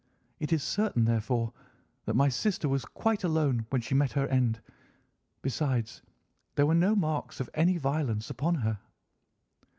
It is certain, therefore, that my sister was quite alone when she met her end. Besides, there were no marks of any violence upon her."